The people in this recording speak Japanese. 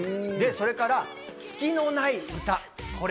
それから、隙のない歌。